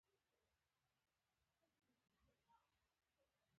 بزګر ته هره بوټۍ د زړه خبره کوي